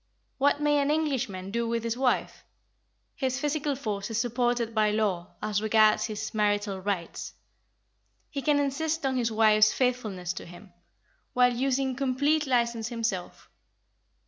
What may an Englishman do with his wife? His physical force is supported by law as regards his "marital rights." He can insist on his wife's faithfulness to him, while using complete licence himself.